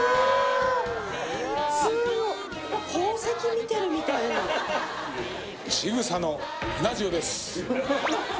すごっ宝石見てるみたいに千草のうな重です